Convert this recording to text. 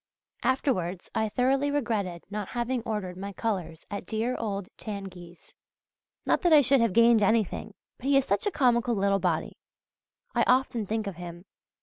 Afterwards I thoroughly regretted not having ordered my colours at dear old Tanguy's; not that I should have gained anything, but he is such a comical little body! I often think of him.